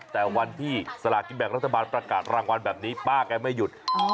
แต่วันที่สลากินแบ่งรัฐบาลประกาศรางวัลแบบนี้ป้าแกไม่หยุด